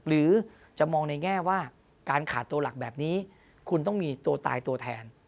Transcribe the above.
หรือจะมองในแง่ว่าการขาดตัวหลักแบบนี้คุณต้องมีตัวตายตัวแทน